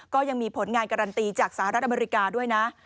ก็ยังมีผลงานการันตีจากสหรัฐอเมริกาด้วยนะ